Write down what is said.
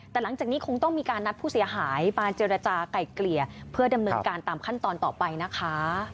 แต่หลังจากนี้คงต้องมีการนัดผู้เสียหายมาเจรจาก่ายเกลี่ยเพื่อดำเนินการตามขั้นตอนต่อไปนะคะ